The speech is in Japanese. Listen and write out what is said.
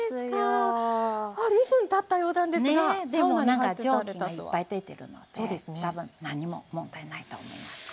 何か蒸気がいっぱい出てるので多分何も問題ないと思います。わ！